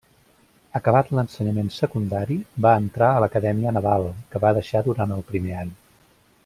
Acabat l’ensenyament secundari va entrar a l’Acadèmia Naval, que va deixar durant el primer any.